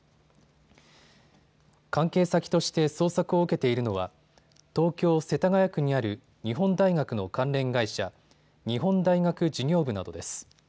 関係先として捜索を受けているのは東京世田谷区にある日本大学の関連会社、日本大学事業部などです。